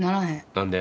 何で？